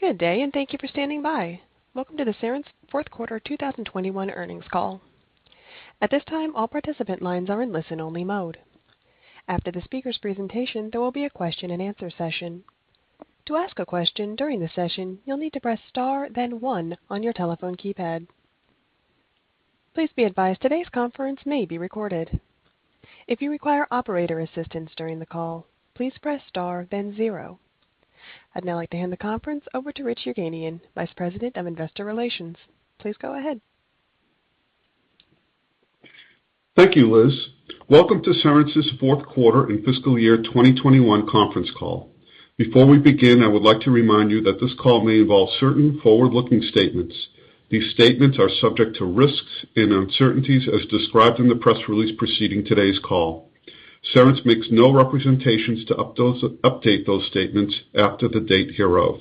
Good day, and thank you for standing by. Welcome to the Cerence fourth quarter 2021 earnings call. At this time, all participant lines are in listen-only mode. After the speaker's presentation, there will be a question-and-answer session. To ask a question during the session, you'll need to press Star, then one on your telephone keypad. Please be advised today's conference may be recorded. If you require operator assistance during the call, please press Star, then zero. I'd now like to hand the conference over to Rich Yerganian, Vice President of Investor Relations. Please go ahead. Thank you, Liz. Welcome to Cerence's fourth quarter and fiscal year 2021 conference call. Before we begin, I would like to remind you that this call may involve certain forward-looking statements. These statements are subject to risks and uncertainties as described in the press release preceding today's call. Cerence makes no representations to update those statements after the date hereof.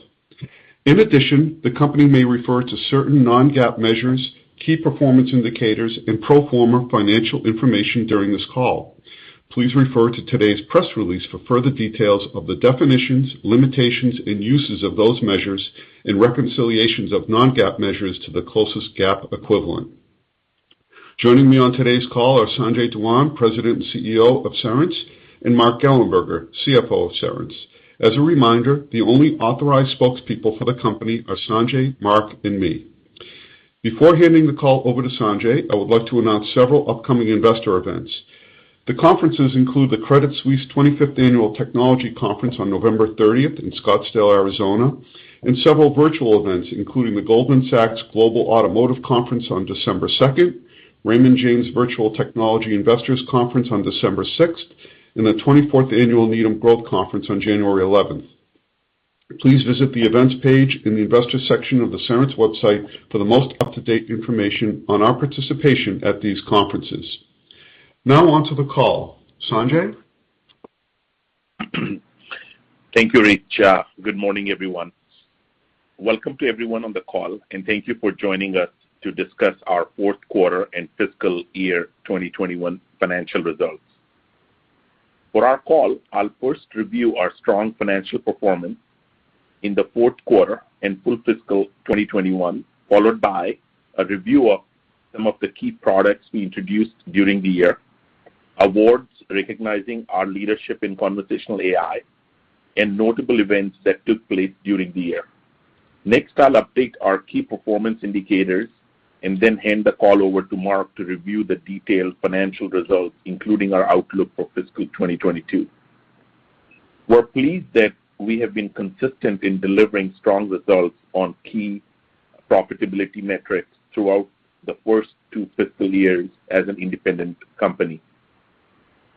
In addition, the company may refer to certain non-GAAP measures, key performance indicators, and pro forma financial information during this call. Please refer to today's press release for further details of the definitions, limitations, and uses of those measures and reconciliations of non-GAAP measures to the closest GAAP equivalent. Joining me on today's call are Sanjay Dhawan, President and CEO of Cerence, and Mark Gallenberger, CFO of Cerence. As a reminder, the only authorized spokespeople for the company are Sanjay, Mark, and me. Before handing the call over to Sanjay, I would like to announce several upcoming investor events. The conferences include the Credit Suisse 25th Annual Technology Conference on November 30 in Scottsdale, Arizona, and several virtual events, including the Goldman Sachs Global Automotive Conference on December 2, Raymond James Virtual Technology Investors Conference on December 6, and the 24th Annual Needham Growth Conference on January 11. Please visit the Events page in the Investor section of the Cerence website for the most up-to-date information on our participation at these conferences. Now on to the call. Sanjay? Thank you, Rich. Good morning, everyone. Welcome to everyone on the call, and thank you for joining us to discuss our fourth quarter and fiscal year 2021 financial results. For our call, I'll first review our strong financial performance in the fourth quarter and full fiscal 2021, followed by a review of some of the key products we introduced during the year, awards recognizing our leadership in conversational AI, and notable events that took place during the year. Next, I'll update our key performance indicators and then hand the call over to Mark to review the detailed financial results, including our outlook for fiscal 2022. We're pleased that we have been consistent in delivering strong results on key profitability metrics throughout the first two fiscal years as an independent company.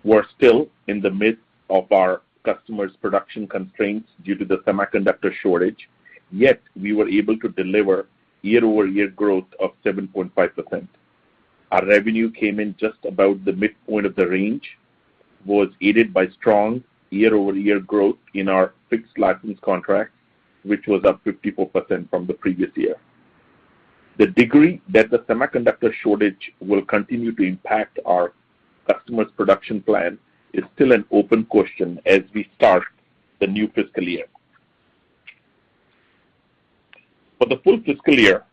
We're still in the midst of our customers' production constraints due to the semiconductor shortage, yet we were able to deliver year-over-year growth of 7.5%. Our revenue came in just about the midpoint of the range, was aided by strong year-over-year growth in our fixed license contracts, which was up 54% from the previous year. The degree that the semiconductor shortage will continue to impact our customers' production plan is still an open question as we start the new fiscal year. For the full fiscal year,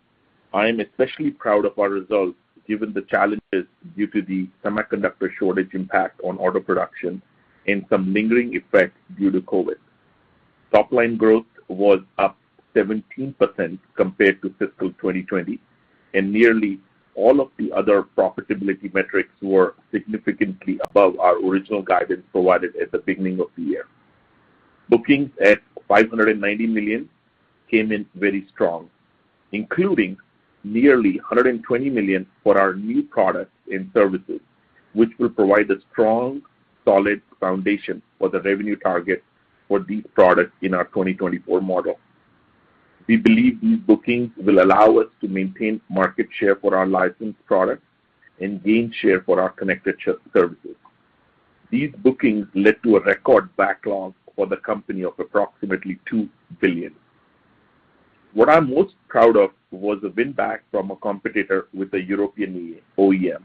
I am especially proud of our results given the challenges due to the semiconductor shortage impact on auto production and some lingering effects due to COVID. Top-line growth was up 17% compared to fiscal 2020, and nearly all of the other profitability metrics were significantly above our original guidance provided at the beginning of the year. Bookings at $590 million came in very strong, including nearly $120 million for our new products and services, which will provide a strong, solid foundation for the revenue target for these products in our 2024 model. We believe these bookings will allow us to maintain market share for our licensed products and gain share for our connected services. These bookings led to a record backlog for the company of approximately $2 billion. What I'm most proud of was a win-back from a competitor with a European OEM.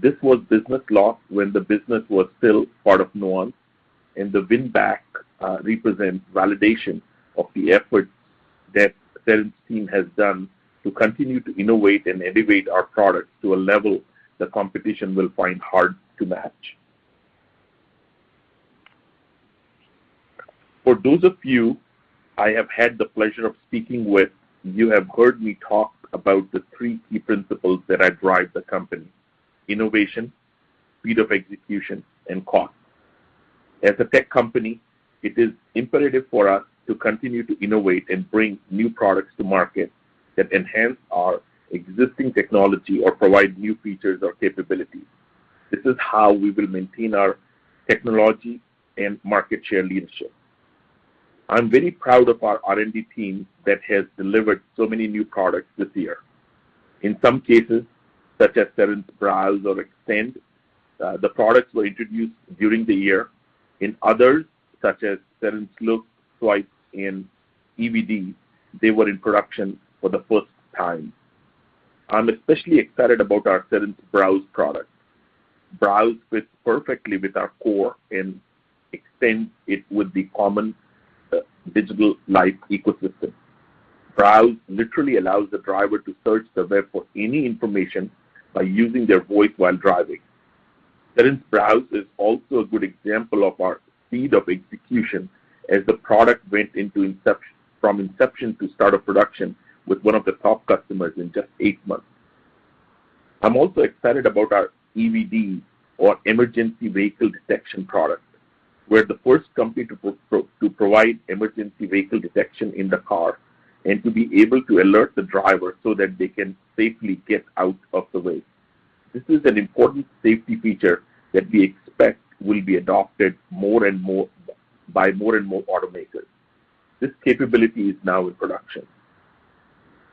This was business lost when the business was still part of Nuance, and the win-back represents validation of the effort that sales team has done to continue to innovate and elevate our products to a level the competition will find hard to match. For those of you I have had the pleasure of speaking with, you have heard me talk about the three key principles that I drive the company: innovation, speed of execution, and cost. As a tech company, it is imperative for us to continue to innovate and bring new products to market that enhance our existing technology or provide new features or capabilities. This is how we will maintain our technology and market share leadership. I'm very proud of our R&D team that has delivered so many new products this year. In some cases, such as Cerence Browse or Extend, the products were introduced during the year. In others, such as Cerence Look, Swype, and EVD, they were in production for the first time. I'm especially excited about our Cerence Browse product. Browse fits perfectly with our core and extends it with the common digital life ecosystem. Browse literally allows the driver to search the web for any information by using their voice while driving. Cerence Browse is also a good example of our speed of execution as the product went from inception to start of production with one of the top customers in just 8 months. I'm also excited about our EVD or Emergency Vehicle Detection product. We're the first company to provide emergency vehicle detection in the car and to be able to alert the driver so that they can safely get out of the way. This is an important safety feature that we expect will be adopted more and more by more and more automakers. This capability is now in production.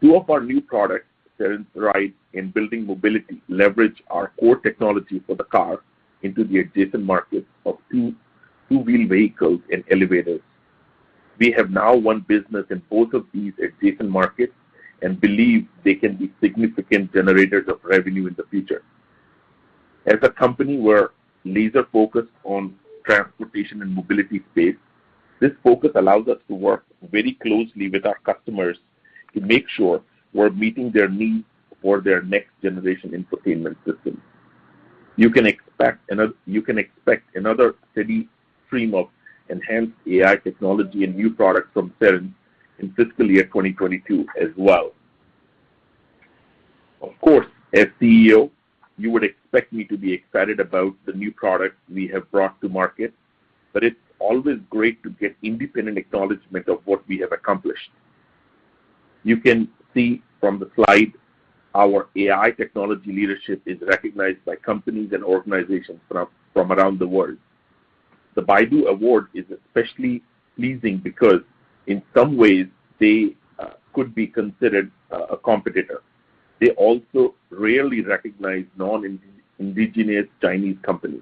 Two of our new products, Cerence Ride and Building Mobility, leverage our core technology for the car into the adjacent markets of two-wheel vehicles and elevators. We have now won business in both of these adjacent markets and believe they can be significant generators of revenue in the future. As a company, we're laser-focused on transportation and mobility space. This focus allows us to work very closely with our customers to make sure we're meeting their needs for their next-generation infotainment system. You can expect another steady stream of enhanced AI technology and new products from Cerence in fiscal year 2022 as well. Of course, as CEO, you would expect me to be excited about the new products we have brought to market, but it's always great to get independent acknowledgement of what we have accomplished. You can see from the slide our AI technology leadership is recognized by companies and organizations from around the world. The Baidu award is especially pleasing because in some ways they could be considered a competitor. They also rarely recognize non-indigenous Chinese companies.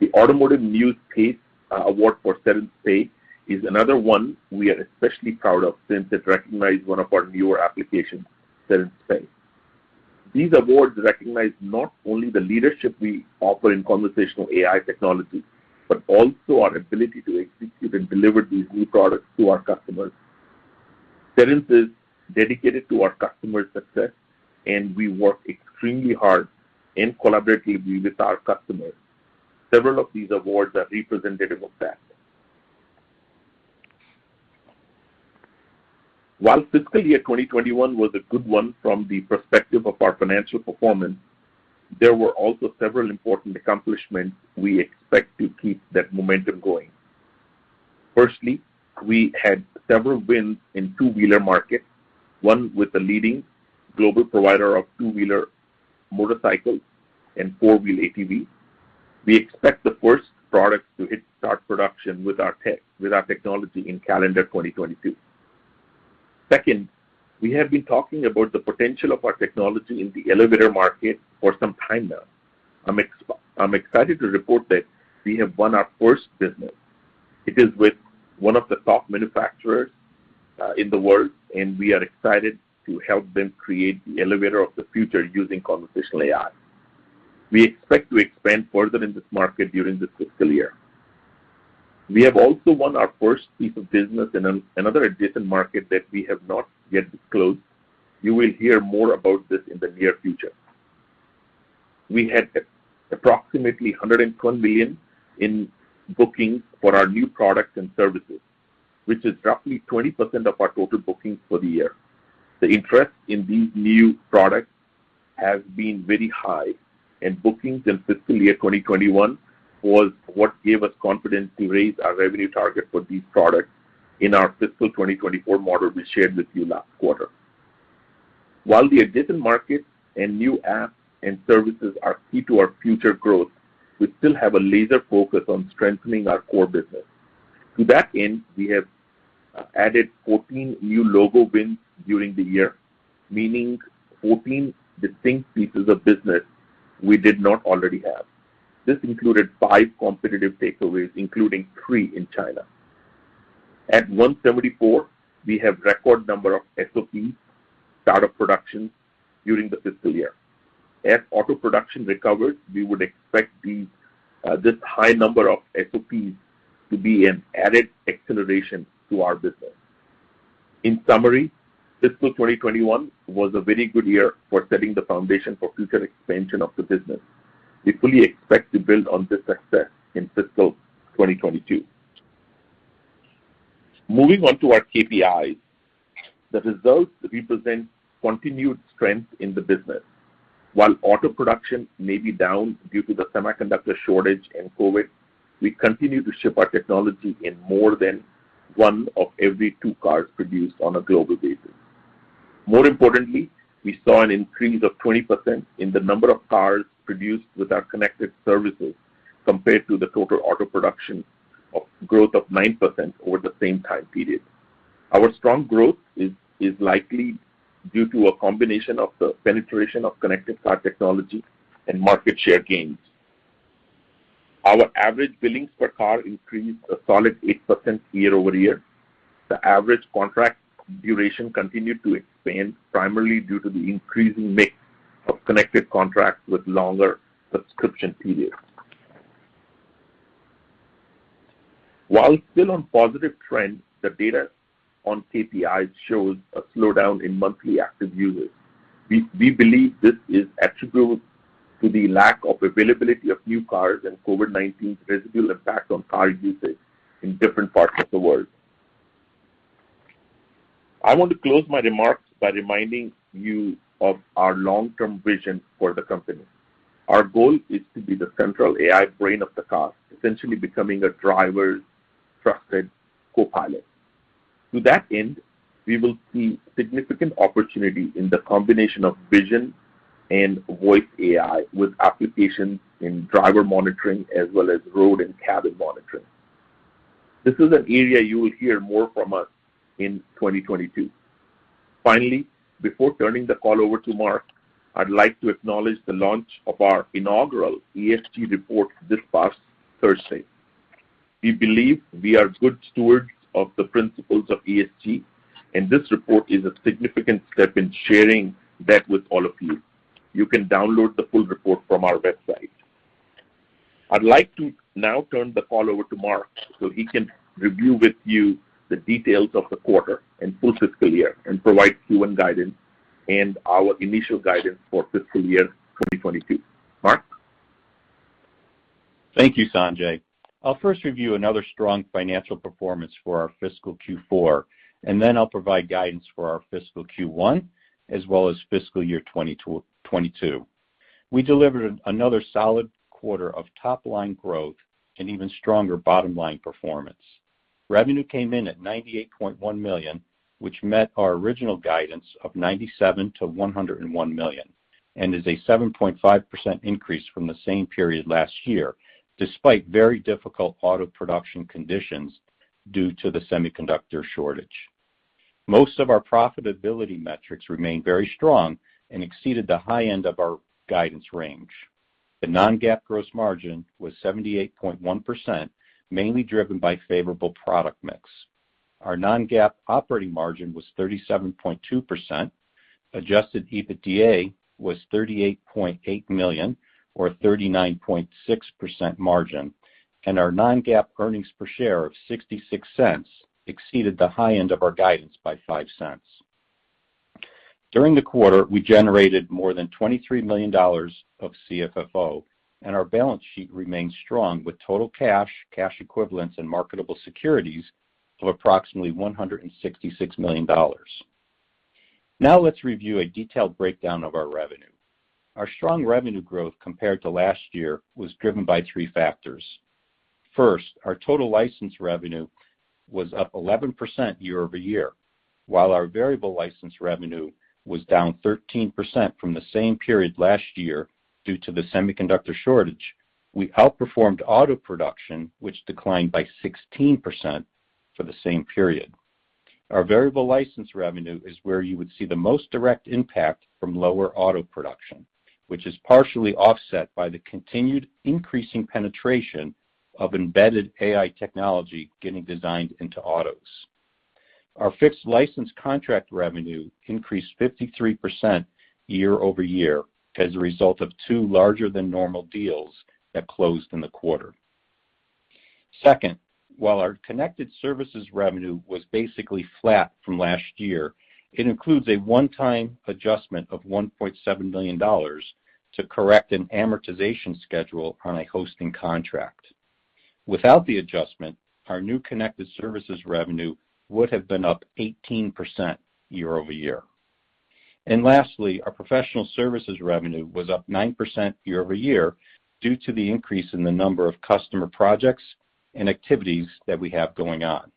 The Automotive News PACE award for Cerence Pay is another one we are especially proud of since it recognized one of our newer applications, Cerence Pay. These awards recognize not only the leadership we offer in conversational AI technology, but also our ability to execute and deliver these new products to our customers. Cerence is dedicated to our customers' success, and we work extremely hard and collaboratively with our customers. Several of these awards are representative of that. While fiscal year 2021 was a good one from the perspective of our financial performance, there were also several important accomplishments we expect to keep that momentum going. Firstly, we had several wins in the two-wheeler market, one with the leading global provider of two-wheeler motorcycles and four-wheel ATVs. We expect the first products to start production with our technology in calendar 2022. Second, we have been talking about the potential of our technology in the elevator market for some time now. I'm excited to report that we have won our first business. It is with one of the top manufacturers in the world, and we are excited to help them create the elevator of the future using conversational AI. We expect to expand further in this market during this fiscal year. We have also won our first piece of business in another adjacent market that we have not yet disclosed. You will hear more about this in the near future. We had approximately $120 million in bookings for our new products and services, which is roughly 20% of our total bookings for the year. The interest in these new products has been very high, and bookings in fiscal year 2021 was what gave us confidence to raise our revenue target for these products in our fiscal 2024 model we shared with you last quarter. While the adjacent markets and new apps and services are key to our future growth, we still have a laser focus on strengthening our core business. To that end, we have added 14 new logo wins during the year, meaning 14 distinct pieces of business we did not already have. This included 5 competitive takeaways, including 3 in China. We have a record number of SOPs, 174 start of production during the fiscal year. As auto production recovered, we would expect these, this high number of SOPs to be an added acceleration to our business. In summary, fiscal 2021 was a very good year for setting the foundation for future expansion of the business. We fully expect to build on this success in fiscal 2022. Moving on to our KPIs. The results represent continued strength in the business. While auto production may be down due to the semiconductor shortage and COVID, we continue to ship our technology in more than one of every two cars produced on a global basis. More importantly, we saw an increase of 20% in the number of cars produced with our connected services compared to the total auto production growth of 9% over the same time period. Our strong growth is likely due to a combination of the penetration of connected car technology and market share gains. Our average billings per car increased a solid 8% year-over-year. The average contract duration continued to expand primarily due to the increasing mix of connected contracts with longer subscription periods. While still on positive trends, the data on KPIs shows a slowdown in monthly active users. We believe this is attributable to the lack of availability of new cars and COVID-19's residual impact on car usage in different parts of the world. I want to close my remarks by reminding you of our long-term vision for the company. Our goal is to be the central AI brain of the car, essentially becoming a driver's trusted co-pilot. To that end, we will see significant opportunity in the combination of vision and voice AI with applications in driver monitoring as well as road and cabin monitoring. This is an area you will hear more from us in 2022. Finally, before turning the call over to Mark, I'd like to acknowledge the launch of our inaugural ESG report this past Thursday. We believe we are good stewards of the principles of ESG, and this report is a significant step in sharing that with all of you. You can download the full report from our website. I'd like to now turn the call over to Mark so he can review with you the details of the quarter and full fiscal year and provide Q1 guidance and our initial guidance for fiscal year 2022. Mark? Thank you, Sanjay. I'll first review another strong financial performance for our fiscal Q4, and then I'll provide guidance for our fiscal Q1 as well as fiscal year 2022. We delivered another solid quarter of top-line growth and even stronger bottom-line performance. Revenue came in at $98.1 million, which met our original guidance of $97 million-$101 million and is a 7.5% increase from the same period last year, despite very difficult auto production conditions due to the semiconductor shortage. Most of our profitability metrics remained very strong and exceeded the high end of our guidance range. The non-GAAP gross margin was 78.1%, mainly driven by favorable product mix. Our non-GAAP operating margin was 37.2%. Adjusted EBITDA was $38.8 million or 39.6% margin, and our non-GAAP earnings per share of $0.66 exceeded the high end of our guidance by $0.05. During the quarter, we generated more than $23 million of CFFO, and our balance sheet remains strong with total cash equivalents, and marketable securities of approximately $166 million. Now, let's review a detailed breakdown of our revenue. Our strong revenue growth compared to last year was driven by three factors. First, our total license revenue was up 11% year-over-year. While our variable license revenue was down 13% from the same period last year due to the semiconductor shortage, we outperformed auto production, which declined by 16% for the same period. Our variable license revenue is where you would see the most direct impact from lower auto production, which is partially offset by the continued increasing penetration of embedded AI technology getting designed into autos. Our fixed license contract revenue increased 53% year-over-year as a result of two larger than normal deals that closed in the quarter. Second, while our connected services revenue was basically flat from last year, it includes a one-time adjustment of $1.7 million to correct an amortization schedule on a hosting contract. Without the adjustment, our new connected services revenue would have been up 18% year-over-year. Lastly, our professional services revenue was up 9% year-over-year due to the increase in the number of customer projects and activities that we have going on.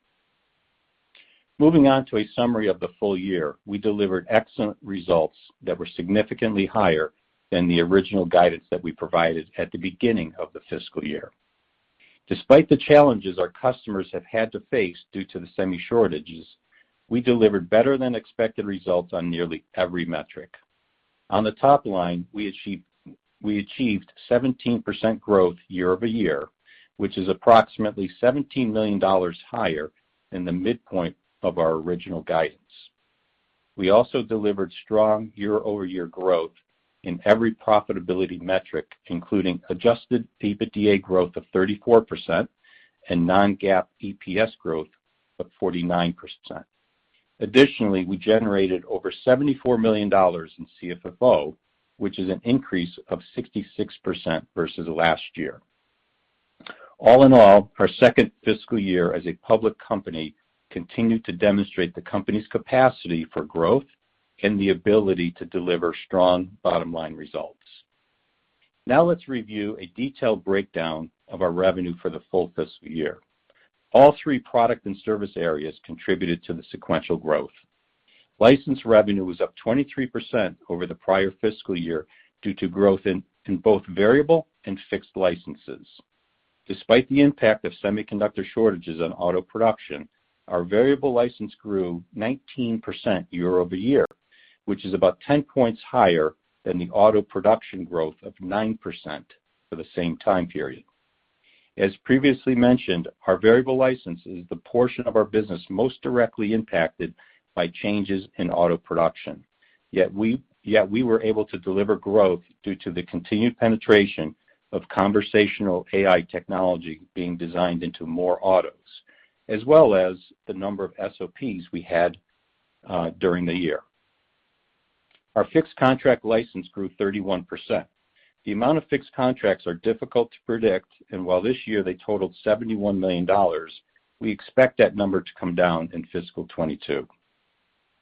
Moving on to a summary of the full year. We delivered excellent results that were significantly higher than the original guidance that we provided at the beginning of the fiscal year. Despite the challenges our customers have had to face due to the semi shortages, we delivered better than expected results on nearly every metric. On the top line, we achieved 17% growth year-over-year, which is approximately $17 million higher than the midpoint of our original guidance. We also delivered strong year-over-year growth in every profitability metric, including Adjusted EBITDA growth of 34% and non-GAAP EPS growth of 49%. Additionally, we generated over $74 million in CFFO, which is an increase of 66% versus last year. All in all, our second fiscal year as a public company continued to demonstrate the company's capacity for growth and the ability to deliver strong bottom-line results. Now, let's review a detailed breakdown of our revenue for the full fiscal year. All three product and service areas contributed to the sequential growth. License revenue was up 23% over the prior fiscal year due to growth in both variable and fixed licenses. Despite the impact of semiconductor shortages on auto production, our variable license grew 19% year-over-year. Which is about 10 points higher than the auto production growth of 9% for the same time period. As previously mentioned, our variable license is the portion of our business most directly impacted by changes in auto production. Yet we were able to deliver growth due to the continued penetration of conversational AI technology being designed into more autos, as well as the number of SOPs we had during the year. Our fixed contract license grew 31%. The amount of fixed contracts are difficult to predict, and while this year they totaled $71 million, we expect that number to come down in fiscal 2022.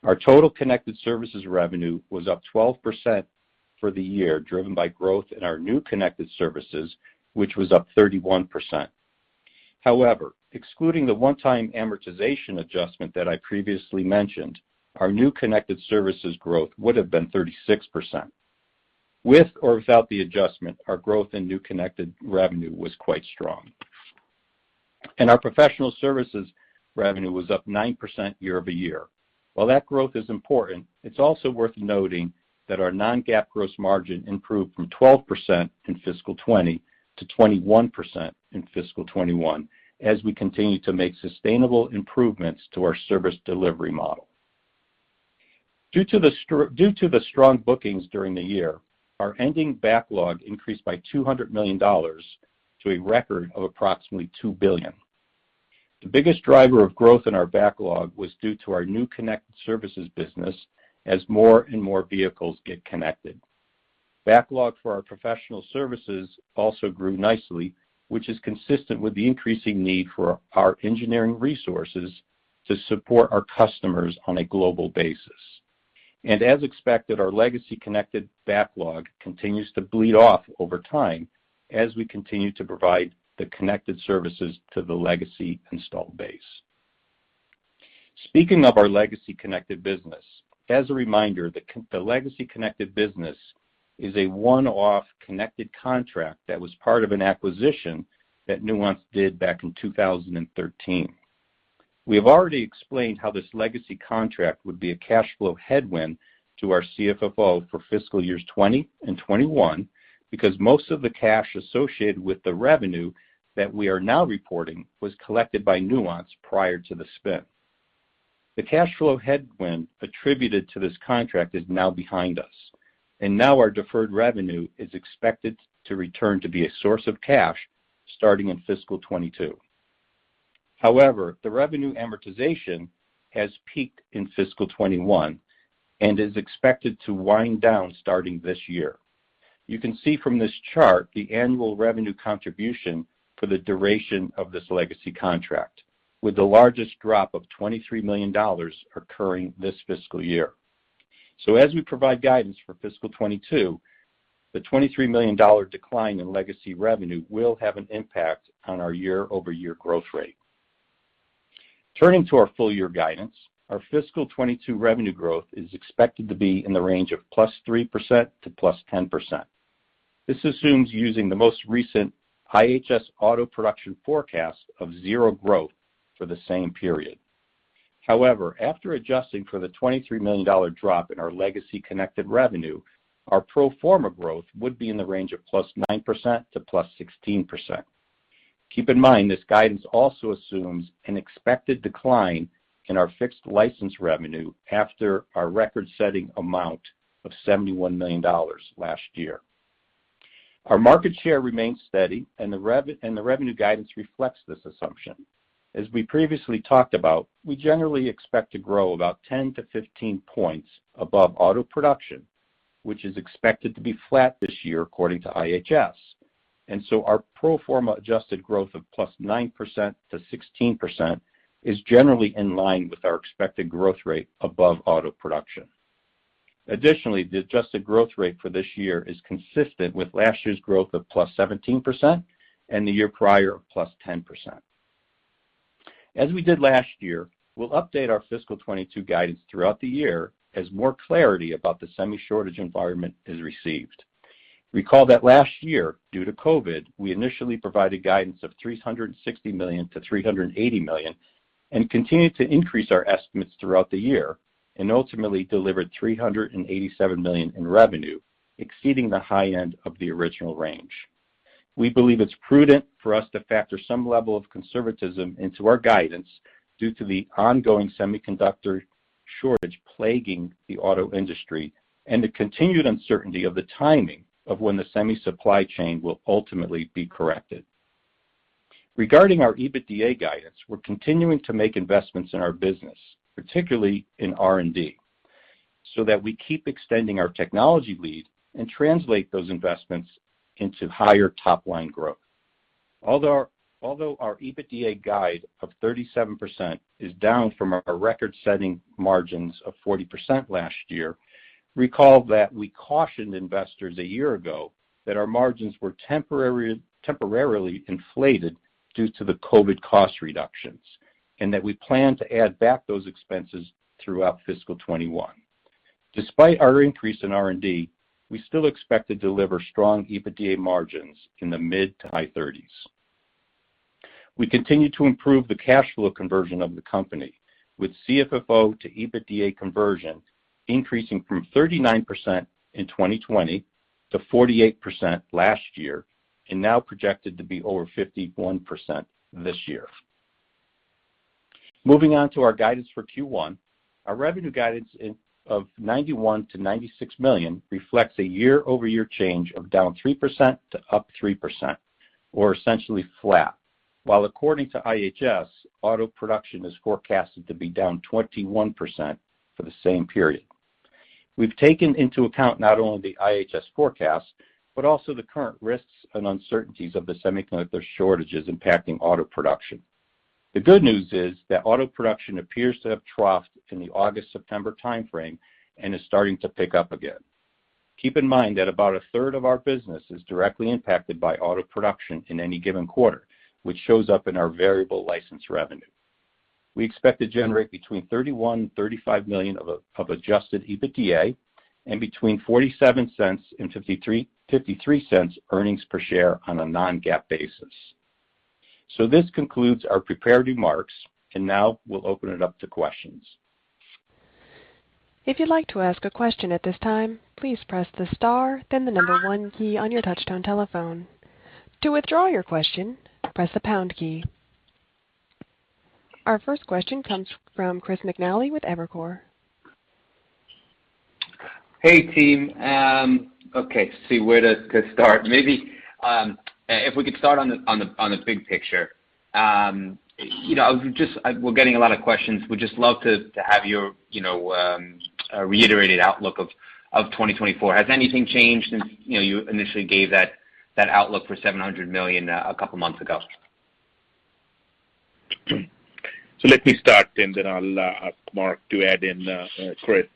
Our total connected services revenue was up 12% for the year, driven by growth in our new connected services, which was up 31%. However, excluding the one-time amortization adjustment that I previously mentioned, our new connected services growth would have been 36%. With or without the adjustment, our growth in new connected revenue was quite strong. Our professional services revenue was up 9% year-over-year. While that growth is important, it's also worth noting that our non-GAAP gross margin improved from 12% in fiscal 2020 to 21% in fiscal 2021 as we continue to make sustainable improvements to our service delivery model. Due to the strong bookings during the year, our ending backlog increased by $200 million to a record of approximately $2 billion. The biggest driver of growth in our backlog was due to our new connected services business as more and more vehicles get connected. Backlog for our professional services also grew nicely, which is consistent with the increasing need for our engineering resources to support our customers on a global basis. As expected, our legacy connected backlog continues to bleed off over time as we continue to provide the connected services to the legacy installed base. Speaking of our legacy connected business, as a reminder, the legacy connected business is a one-off connected contract that was part of an acquisition that Nuance did back in 2013. We have already explained how this legacy contract would be a cash flow headwind to our CFFO for fiscal years 2020 and 2021 because most of the cash associated with the revenue that we are now reporting was collected by Nuance prior to the spin. The cash flow headwind attributed to this contract is now behind us, and now our deferred revenue is expected to return to be a source of cash starting in fiscal 2022. However, the revenue amortization has peaked in fiscal 2021 and is expected to wind down starting this year. You can see from this chart the annual revenue contribution for the duration of this legacy contract, with the largest drop of $23 million occurring this fiscal year. As we provide guidance for fiscal 2022, the $23 million decline in legacy revenue will have an impact on our year-over-year growth rate. Turning to our full year guidance, our fiscal 2022 revenue growth is expected to be in the range of +3% to +10%. This assumes using the most recent IHS auto production forecast of zero growth for the same period. However, after adjusting for the $23 million drop in our legacy connected revenue, our pro forma growth would be in the range of +9% to +16%. Keep in mind, this guidance also assumes an expected decline in our fixed license revenue after our record-setting amount of $71 million last year. Our market share remains steady and the revenue guidance reflects this assumption. As we previously talked about, we generally expect to grow about 10 to 15 points above auto production, which is expected to be flat this year, according to IHS. Our pro forma adjusted growth of +9%-16% is generally in line with our expected growth rate above auto production. Additionally, the adjusted growth rate for this year is consistent with last year's growth of +17% and the year prior of +10%. As we did last year, we'll update our fiscal 2022 guidance throughout the year as more clarity about the semi shortage environment is received. Recall that last year, due to COVID, we initially provided guidance of $360 million-$380 million and continued to increase our estimates throughout the year and ultimately delivered $387 million in revenue, exceeding the high end of the original range. We believe it's prudent for us to factor some level of conservatism into our guidance due to the ongoing semiconductor shortage plaguing the auto industry and the continued uncertainty of the timing of when the semi supply chain will ultimately be corrected. Regarding our EBITDA guidance, we're continuing to make investments in our business, particularly in R&D, so that we keep extending our technology lead and translate those investments into higher top line growth. Although our EBITDA guide of 37% is down from our record-setting margins of 40% last year. Recall that we cautioned investors a year ago that our margins were temporarily inflated due to the COVID cost reductions, and that we plan to add back those expenses throughout fiscal 2021. Despite our increase in R&D, we still expect to deliver strong EBITDA margins in the mid-30s% to high-30s%. We continue to improve the cash flow conversion of the company with CFFO to EBITDA conversion increasing from 39% in 2020 to 48% last year, and now projected to be over 51% this year. Moving on to our guidance for Q1. Our revenue guidance of $91 million-$96 million reflects a year-over-year change of down 3% to up 3%, or essentially flat, while according to IHS, auto production is forecasted to be down 21% for the same period. We've taken into account not only the IHS forecast, but also the current risks and uncertainties of the semiconductor shortages impacting auto production. The good news is that auto production appears to have troughed in the August-September time frame and is starting to pick up again. Keep in mind that about a third of our business is directly impacted by auto production in any given quarter, which shows up in our variable license revenue. We expect to generate between $31 million and $35 million of adjusted EBITDA and between $0.47 and $0.53 earnings per share on a non-GAAP basis. This concludes our prepared remarks, and now we'll open it up to questions. If you like to ask question at this time please press the star then number one key on your touch tone telephone to withdraw your question press pound key. Our first question comes from Chris McNally with Evercore. Hey, team. Okay, let's see. Where to start. Maybe, if we could start on the big picture. You know, we're getting a lot of questions. We'd just love to have your, you know, reiterated outlook of 2024. Has anything changed since, you know, you initially gave that outlook for $700 million a couple months ago? Let me start, and then I'll ask Mark to add in Chris.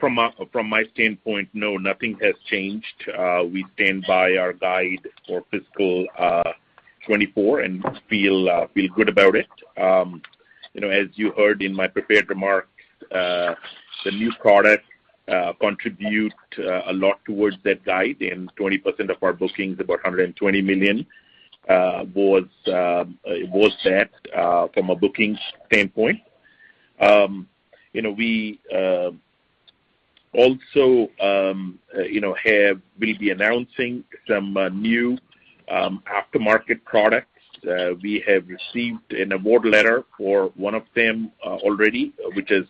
From my standpoint, no, nothing has changed. We stand by our guide for fiscal 2024 and feel good about it. You know, as you heard in my prepared remarks, the new products contribute a lot towards that guide, and 20% of our bookings, about $120 million, was that from a bookings standpoint. You know, we also, you know, we'll be announcing some new aftermarket products. We have received an award letter for one of them already, which is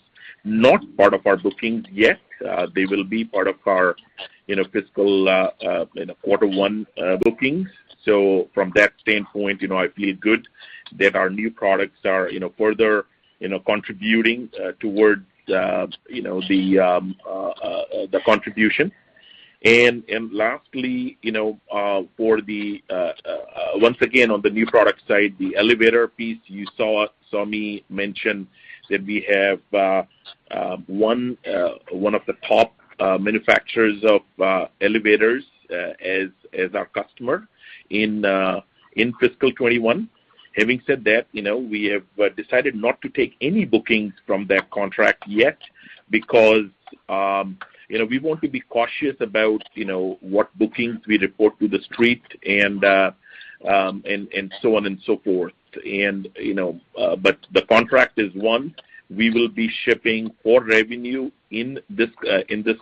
not part of our bookings yet. They will be part of our fiscal quarter one bookings. From that standpoint, I feel good that our new products are further contributing towards the contribution. Lastly, for the once again, on the new product side, the elevator piece, you saw [Sammy] mention that we have one of the top manufacturers of elevators as our customer in fiscal 2021. Having said that, we have decided not to take any bookings from that contract yet because we want to be cautious about what bookings we report to the street and so on and so forth. But the contract is one. We will be shipping for revenue in the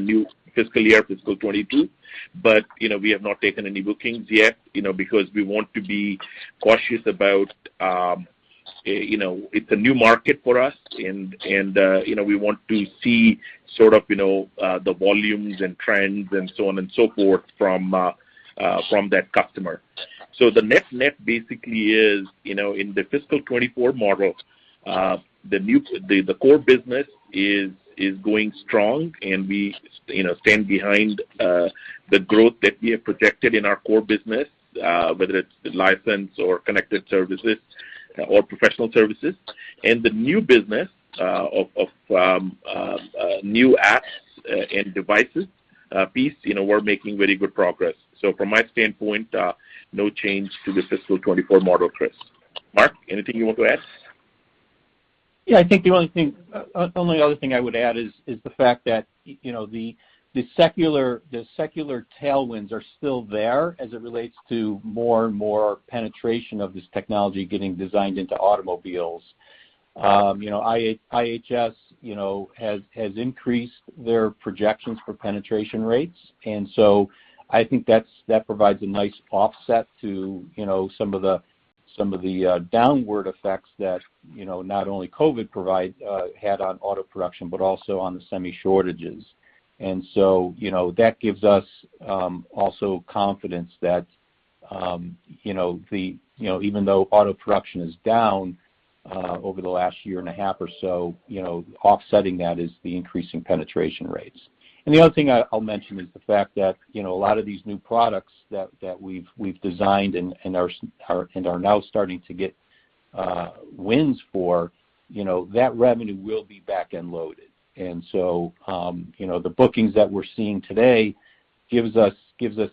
new fiscal year, fiscal 2022. You know, we have not taken any bookings yet, you know, because we want to be cautious about, you know, it's a new market for us and, you know, we want to see sort of, you know, the volumes and trends and so on and so forth from that customer. The net-net basically is, you know, in the fiscal 2024 model, the core business is going strong, and we stand behind the growth that we have projected in our core business, whether it's the license or connected services or professional services. The new business of new apps and devices piece, you know, we're making very good progress. From my standpoint, no change to the fiscal 2024 model case. Mark, anything you want to add? Yeah. I think the only other thing I would add is the fact that you know the secular tailwinds are still there as it relates to more and more penetration of this technology getting designed into automobiles. You know IHS you know has increased their projections for penetration rates and so I think that provides a nice offset to you know some of the downward effects that you know not only COVID had on auto production but also on the semi shortages. You know that gives us also confidence that you know even though auto production is down over the last year and a half or so you know offsetting that is the increase in penetration rates. The other thing I'll mention is the fact that, you know, a lot of these new products that we've designed and are now starting to get wins for, you know, that revenue will be back-end loaded. You know, the bookings that we're seeing today gives us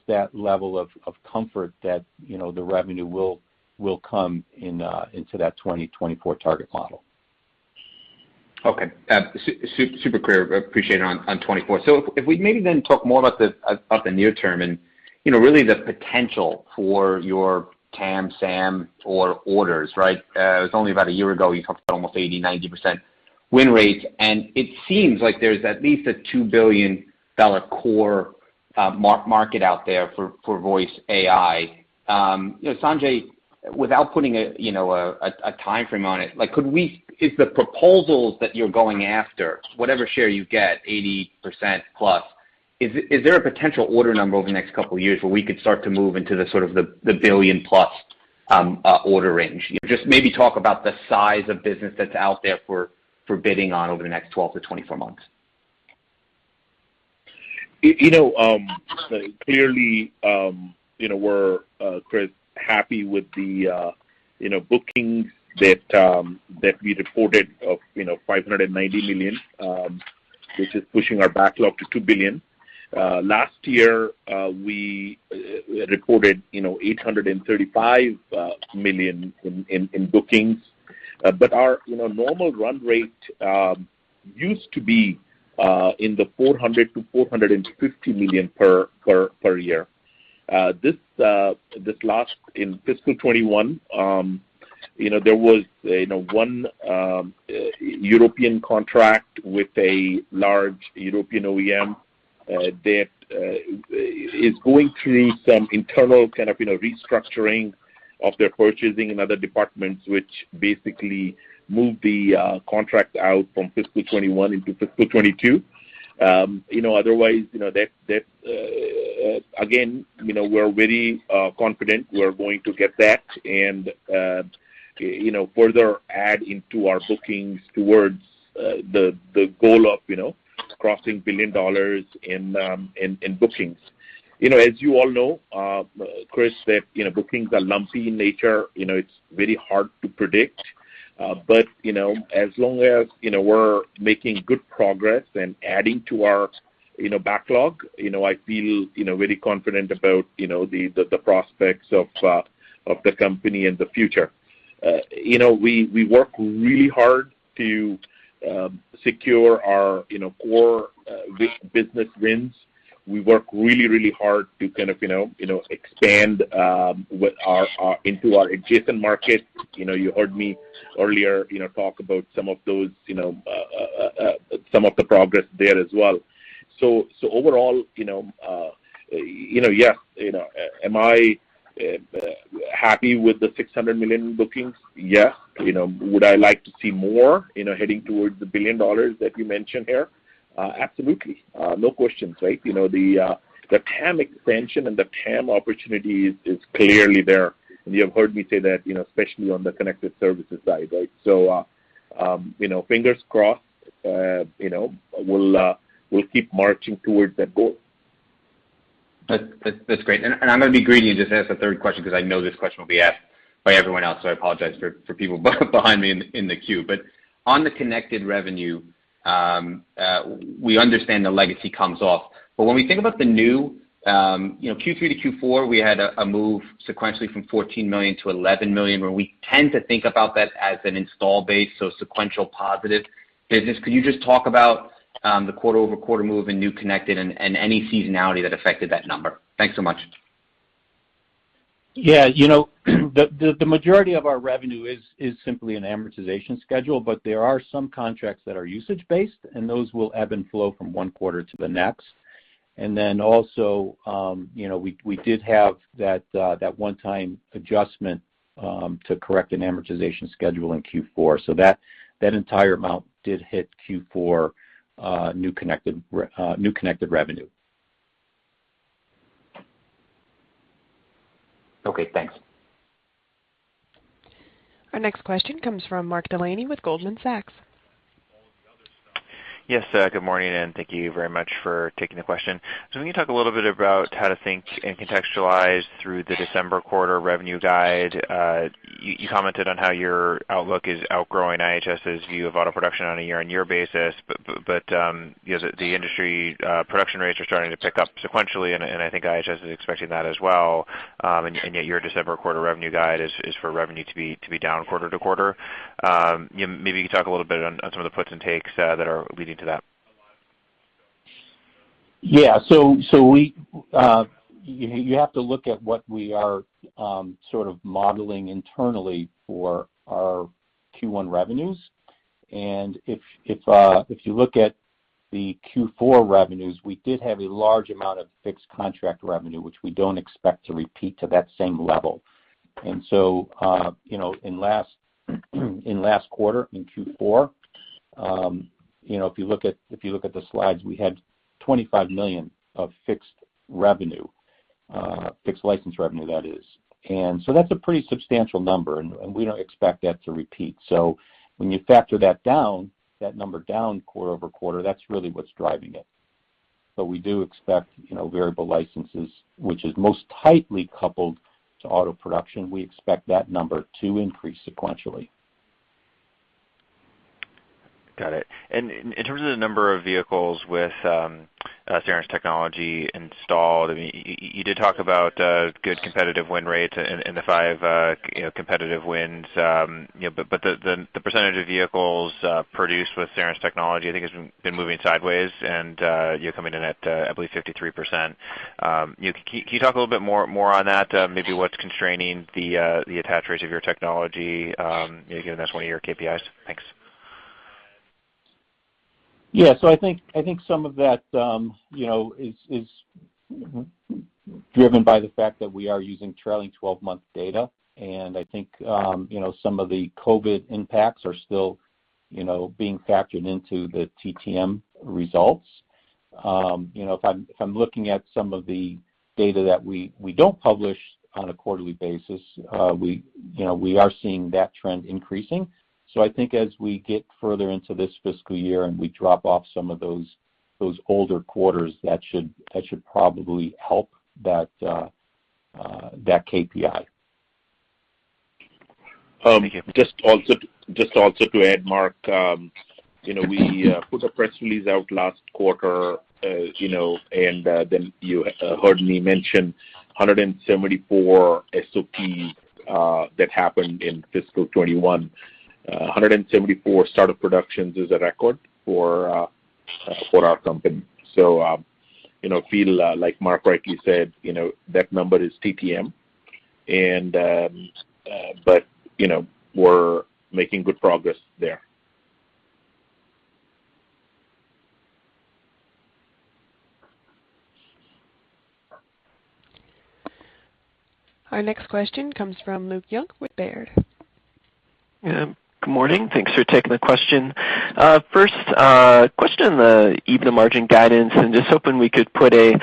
that level of comfort that, you know, the revenue will come in into that 2024 target model. Okay. Super clear. Appreciate it on 2024. If we maybe then talk more about the near term and, you know, really the potential for your TAM, SAM or orders, right? It was only about a year ago, you talked about almost 80%-90% win rates, and it seems like there's at least a $2 billion core market out there for voice AI. You know, Sanjay, without putting a timeframe on it, like could we? If the proposals that you're going after, whatever share you get, 80% plus, is there a potential order number over the next couple of years where we could start to move into the sort of the billion-plus order range? Just maybe talk about the size of business that's out there for bidding on over the next 12-24 months. You know, clearly, you know, we're Chris, happy with the you know, bookings that we reported of $590 million, which is pushing our backlog to $2 billion. Last year, we reported you know, $835 million in bookings. But our you know, normal run rate used to be in the $400 million-$450 million per year. In fiscal 2021, you know, there was you know, one European contract with a large European OEM that is going through some internal kind of you know, restructuring of their purchasing and other departments, which basically moved the contract out from fiscal 2021 into fiscal 2022. You know, otherwise, you know, that again, you know, we're very confident we're going to get that and, you know, further add into our bookings towards the goal of, you know, crossing $1 billion in bookings. You know, as you all know, Chris, that, you know, bookings are lumpy in nature, you know, it's very hard to predict. You know, as long as, you know, we're making good progress and adding to our, you know, backlog, you know, I feel, you know, very confident about, you know, the prospects of the company in the future. You know, we work really hard to secure our, you know, core business wins. We work really hard to kind of you know expand into our adjacent market. You know you heard me earlier you know talk about some of those you know some of the progress there as well. Overall you know yes you know am I happy with the 600 million bookings? Yes. You know would I like to see more you know heading towards the $1 billion that you mentioned here? Absolutely. No questions right? You know the TAM expansion and the TAM opportunity is clearly there. You have heard me say that you know especially on the connected services side right? You know fingers crossed you know we'll keep marching towards that goal. That's great. I'm gonna be greedy and just ask a third question because I know this question will be asked by everyone else, so I apologize for people behind me in the queue. On the connected revenue, we understand the legacy comes off. When we think about the new, you know, Q3 to Q4, we had a move sequentially from $14 million to $11 million, where we tend to think about that as an install base, so sequential positive business. Could you just talk about the quarter-over-quarter move in new connected and any seasonality that affected that number? Thanks so much. Yeah. You know, the majority of our revenue is simply an amortization schedule, but there are some contracts that are usage-based, and those will ebb and flow from one quarter to the next. Then also, you know, we did have that one-time adjustment to correct an amortization schedule in Q4. That entire amount did hit Q4 new connected revenue. Okay, thanks. Our next question comes from Mark Delaney with Goldman Sachs. Yes, good morning, and thank you very much for taking the question. When you talk a little bit about how to think and contextualize through the December quarter revenue guide, you commented on how your outlook is outgrowing IHS's view of auto production on a year-on-year basis, but you know, the industry production rates are starting to pick up sequentially, and I think IHS is expecting that as well. Yet your December quarter revenue guide is for revenue to be down quarter to quarter. Maybe you can talk a little bit on some of the puts and takes that are leading to that. You have to look at what we are sort of modeling internally for our Q1 revenues. If you look at the Q4 revenues, we did have a large amount of fixed contract revenue, which we don't expect to repeat to that same level. You know, in last quarter, in Q4, you know, if you look at the slides, we had $25 million of fixed revenue, fixed license revenue, that is. That's a pretty substantial number, and we don't expect that to repeat. When you factor that number down quarter-over-quarter, that's really what's driving it. We do expect, you know, variable licenses, which is most tightly coupled to auto production. We expect that number to increase sequentially. Got it. In terms of the number of vehicles with Cerence technology installed. I mean, you did talk about good competitive win rates in the 5 you know competitive wins, you know, but the percentage of vehicles produced with Cerence technology I think has been moving sideways and you know coming in at I believe 53%. You know, can you talk a little bit more on that? Maybe what's constraining the attach rates of your technology you know given that's one of your KPIs. Thanks. Yeah. I think some of that, you know, is driven by the fact that we are using trailing twelve-month data. I think, you know, some of the COVID impacts are still, you know, being factored into the TTM results. You know, if I'm looking at some of the data that we don't publish on a quarterly basis, we are seeing that trend increasing. I think as we get further into this fiscal year and we drop off some of those older quarters, that should probably help that KPI. Thank you. Just also to add, Mark, you know, we put a press release out last quarter, you know, and then you heard me mention 174 SOP that happened in fiscal 2021. 174 startup productions is a record for our company. You know, I feel like Mark rightly said, you know, that number is TTM and but you know, we're making good progress there. Our next question comes from Luke Junk with Baird. Good morning. Thanks for taking the question. First question on the EBITDA margin guidance, and just hoping we could put a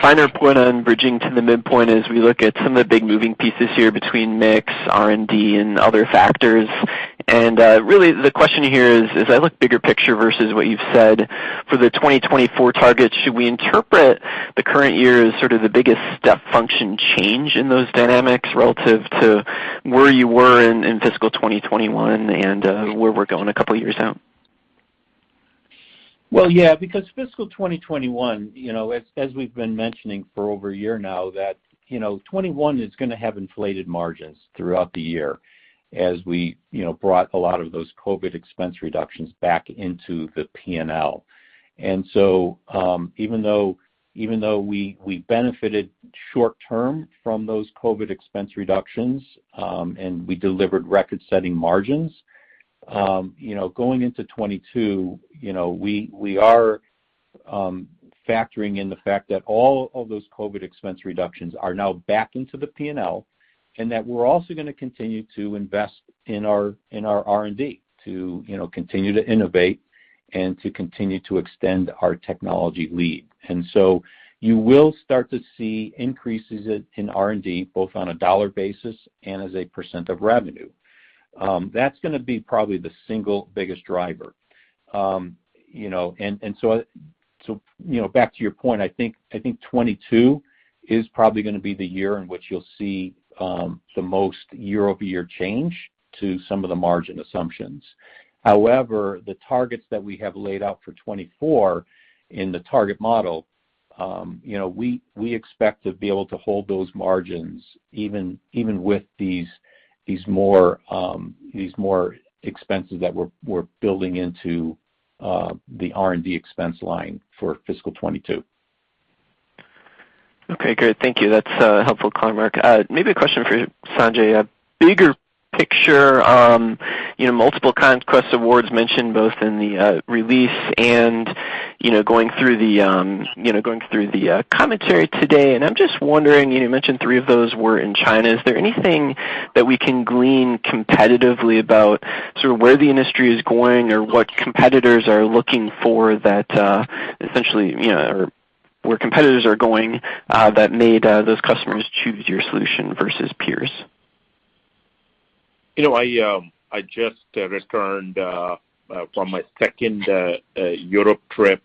finer point on bridging to the midpoint as we look at some of the big moving pieces here between mix, R&D, and other factors. Really the question here is, as I look bigger picture versus what you've said for the 2024 targets, should we interpret the current year as sort of the biggest step function change in those dynamics relative to where you were in fiscal 2021 and where we're going a couple years out? Well, yeah, because fiscal 2021, you know, as we've been mentioning for over a year now, that, you know, 2021 is gonna have inflated margins throughout the year as we, you know, brought a lot of those COVID expense reductions back into the P&L. Even though we benefited short term from those COVID expense reductions, and we delivered record-setting margins, you know, going into 2022, you know, we are factoring in the fact that all of those COVID expense reductions are now back into the P&L, and that we're also gonna continue to invest in our R&D to, you know, continue to innovate and to continue to extend our technology lead. You will start to see increases in R&D both on a dollar basis and as a percentage of revenue. That's gonna be probably the single biggest driver. You know, and so, you know, back to your point, I think 2022 is probably gonna be the year in which you'll see the most year-over-year change to some of the margin assumptions. However, the targets that we have laid out for 2024 in the target model, you know, we expect to be able to hold those margins even with these more expenses that we're building into the R&D expense line for fiscal 2022. Okay, great. Thank you. That's helpful color, Mark. Maybe a question for Sanjay. A bigger picture, you know, multiple conquest awards mentioned both in the release and, you know, going through the commentary today, and I'm just wondering, you mentioned three of those were in China. Is there anything that we can glean competitively about sort of where the industry is going or what competitors are looking for that essentially, you know, or where competitors are going that made those customers choose your solution versus peers? You know, I just returned from my second Europe trip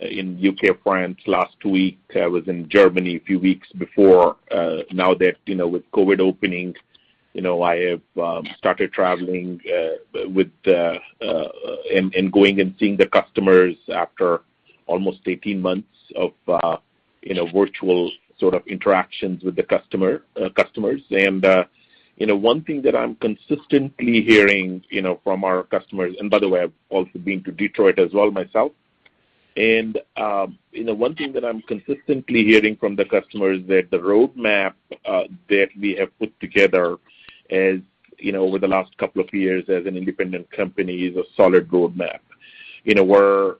in U.K., France last week. I was in Germany a few weeks before. Now that, you know, with COVID opening, you know, I have started traveling and going and seeing the customers after almost 18 months of, you know, virtual sort of interactions with the customers. You know, one thing that I'm consistently hearing, you know, from our customers, and by the way, I've also been to Detroit as well myself. You know, one thing that I'm consistently hearing from the customer is that the roadmap that we have put together, you know, over the last couple of years as an independent company is a solid roadmap. You know, we're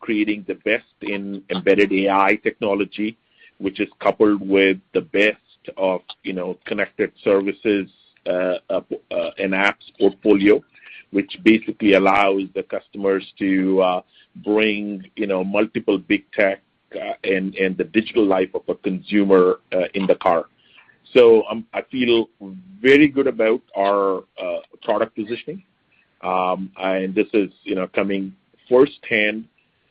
creating the best in embedded AI technology, which is coupled with the best of, you know, connected services and apps portfolio, which basically allows the customers to bring, you know, multiple big tech and the digital life of a consumer in the car. I feel very good about our product positioning. This is, you know, coming firsthand,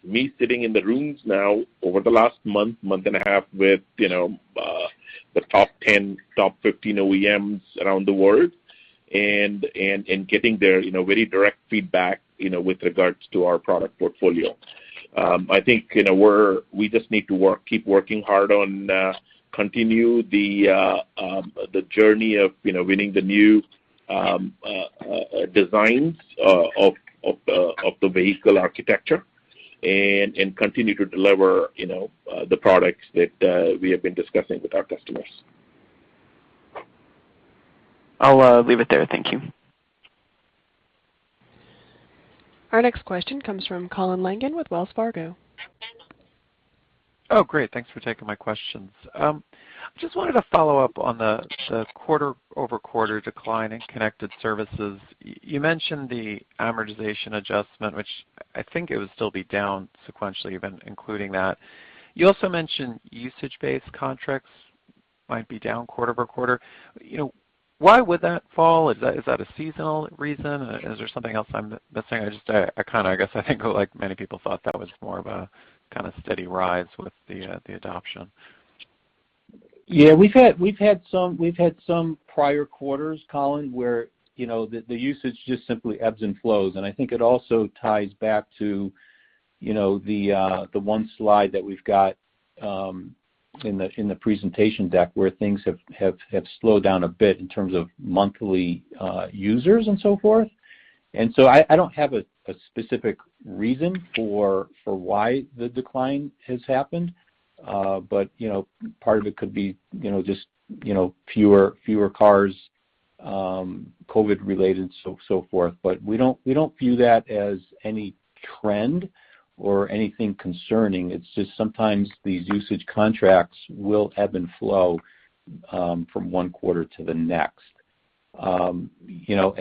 me sitting in the rooms now over the last month and a half with, you know, the top ten, top fifteen OEMs around the world and getting their, you know, very direct feedback, you know, with regards to our product portfolio. I think, you know, we just need to work, keep working hard on, continue the journey of, you know, winning the new designs of the vehicle architecture and continue to deliver, you know, the products that we have been discussing with our customers. I'll leave it there. Thank you. Our next question comes from Colin Langan with Wells Fargo. Oh, great. Thanks for taking my questions. Just wanted to follow up on the quarter-over-quarter decline in connected services. You mentioned the amortization adjustment, which I think it would still be down sequentially even including that. You also mentioned usage-based contracts might be down quarter over quarter. You know, why would that fall? Is that a seasonal reason? Is there something else I'm missing? I just kinda guess I think like many people thought that was more of a kinda steady rise with the adoption. Yeah, we've had some prior quarters, Colin, where, you know, the usage just simply ebbs and flows, and I think it also ties back to, you know, the one slide that we've got in the presentation deck where things have slowed down a bit in terms of monthly users and so forth. I don't have a specific reason for why the decline has happened, but, you know, part of it could be, you know, just, you know, fewer cars, COVID related, so forth. We don't view that as any trend or anything concerning. It's just sometimes these usage contracts will ebb and flow from one quarter to the next. You know,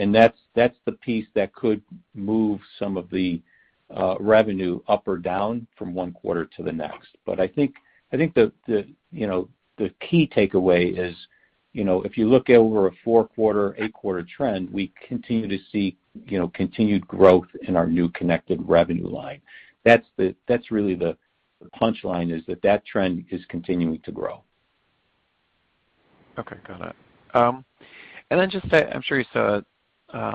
that's the piece that could move some of the revenue up or down from one quarter to the next. I think the key takeaway is, you know, if you look over a four-quarter, eight-quarter trend, we continue to see continued growth in our new connected revenue line. That's really the punch line, is that the trend is continuing to grow. Okay. Got it. I'm sure you saw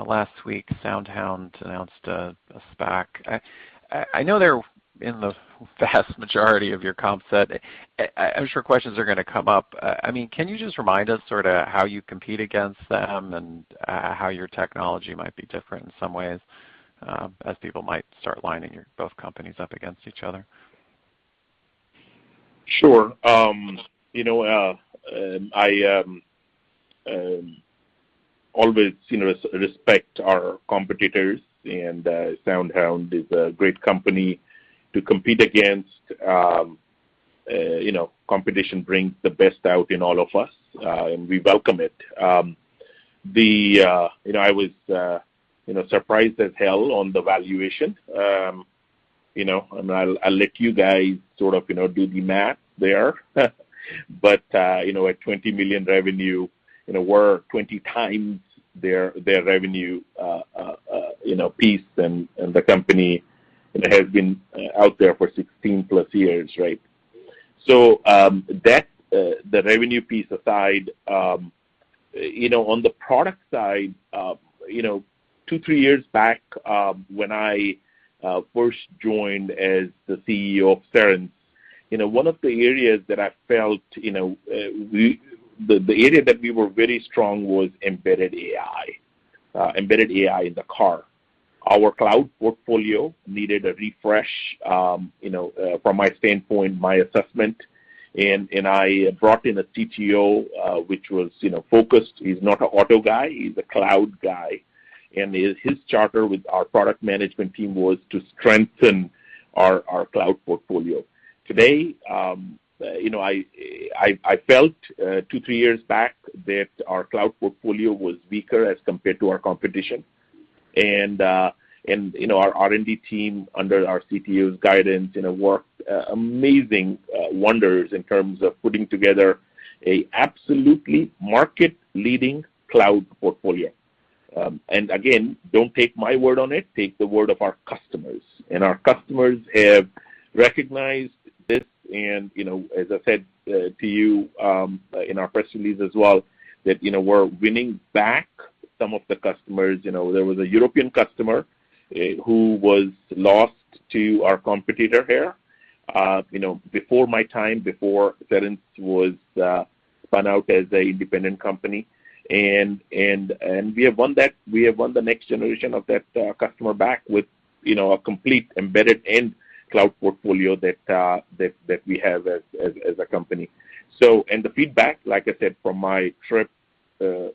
last week, SoundHound announced a SPAC. I know they're in the vast majority of your comp set. I'm sure questions are gonna come up. I mean, can you just remind us sorta how you compete against them and how your technology might be different in some ways, as people might start lining both companies up against each other? Sure. You know, I always, you know, respect our competitors and SoundHound is a great company to compete against. You know, competition brings the best out in all of us, and we welcome it. You know, I was surprised as hell on the valuation. You know, I mean, I'll let you guys sort of, you know, do the math there. You know, at $20 million revenue, you know, we're 20x their revenue, and the company has been out there for 16+ years, right? That, the revenue piece aside, you know, on the product side, you know, 2-3 years back, when I first joined as the CEO of Cerence, you know, one of the areas that I felt, you know, the area that we were very strong was embedded AI in the car. Our cloud portfolio needed a refresh, you know, from my standpoint, my assessment, and I brought in a CTO, which was, you know, focused. He's not an auto guy; he's a cloud guy. And his charter with our product management team was to strengthen our cloud portfolio. Today, you know, I felt 2-3 years back that our cloud portfolio was weaker as compared to our competition. You know, our R&D team, under our CTO's guidance, you know, worked amazing wonders in terms of putting together an absolutely market-leading cloud portfolio. Again, don't take my word on it, take the word of our customers, and our customers have recognized this and, you know, as I said to you in our press release as well, that, you know, we're winning back some of the customers. You know, there was a European customer who was lost to our competitor here, you know, before my time, before Cerence was spun out as an independent company. We have won that. We have won the next generation of that customer back with, you know, a complete embedded and cloud portfolio that we have as a company. The feedback, like I said, from my trip, you